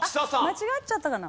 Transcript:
間違っちゃったかな？